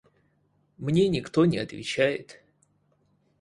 Мне никто не отвечает.